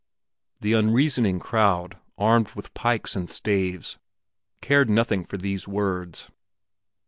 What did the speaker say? The unreasoning crowd, armed with pikes and staves, cared nothing for these words.